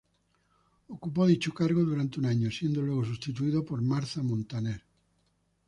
Ocupó dicho cargo durante un año, siendo luego sustituido por Martha Montaner.